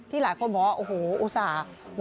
หลายคนบอกว่าโอ้โหอุตส่าห์